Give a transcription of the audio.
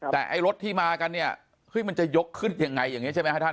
แต่ไอ้รถที่มากันเนี่ยเฮ้ยมันจะยกขึ้นยังไงอย่างนี้ใช่ไหมครับท่าน